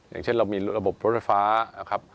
อย่างเช่นเรามีระบบรถฟ้า